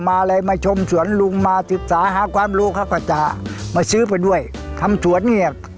มาเลยมาชมสวนลุงมาศึกษาฮะกำรู้เขาก็จะมาซื้อไปด้วยทำสวนเนี่ย